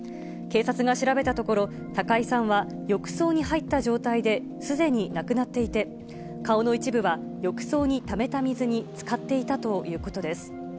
警察が調べたところ、高井さんは浴槽に入った状態で、すでに亡くなっていて、顔の一部は浴槽にためた水につかっていたということです。